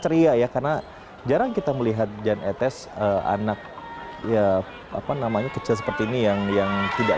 ceria ya karena jarang kita melihat jan etes anak ya apa namanya kecil seperti ini yang yang tidak